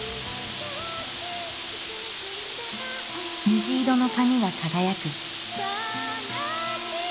虹色の髪が輝く。